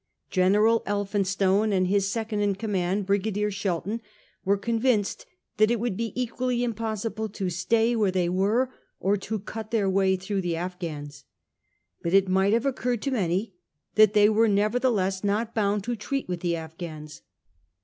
General Elphinstone and his second in command, Brigadier Shelton, were convinced that it would be equally impossible to stay where they were or to cut their way through the Afghans. But it might have occurred to many that they were nevertheless not bound to treat with the Afghans.